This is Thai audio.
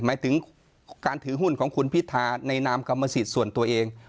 หมายถึงการถือหุ้นของคุณพิธาในนามกรรมสิทธิ์ส่วนตัวเอง